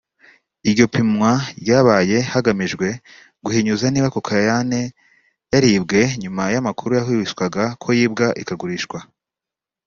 Iryo pimwa ryabaye hagamijwe guhinyuza niba Cociane yaribwe nyuma y’amakuru yahwihwiswaga ko yibwa ikagurishwa